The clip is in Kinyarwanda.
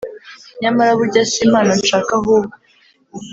Nyamara burya si impano nshaka ahubwo